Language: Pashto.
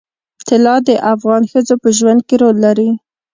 طلا د افغان ښځو په ژوند کې رول لري.